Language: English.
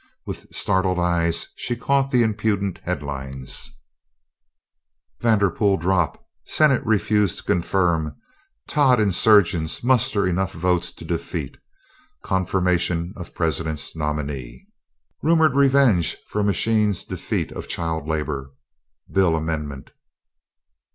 With startled eyes she caught the impudent headlines: VANDERPOOL DROPPED Senate Refuses to Confirm Todd Insurgents Muster Enough Votes to Defeat Confirmation of President's Nominee Rumored Revenge for Machine's Defeat of Child Labor Bill Amendment.